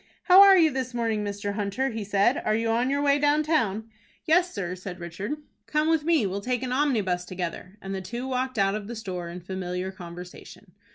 "How are you this morning, Mr. Hunter?" he said. "Are you on your way down town?" "Yes, sir," said Richard. "Come with me. We will take an omnibus together;" and the two walked out of the store in familiar conversation.